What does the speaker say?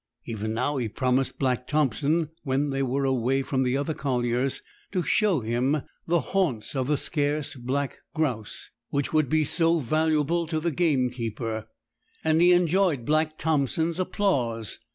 Even now, he promised Black Thompson, when they were away from the other colliers, to show him the haunts of the scarce black grouse, which would be so valuable to the gamekeeper; and he enjoyed Black Thompson's applause.